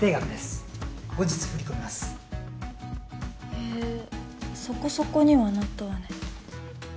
へぇそこそこにはなったわね。